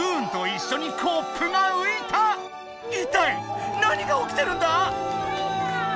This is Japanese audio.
いったい何がおきてるんだ？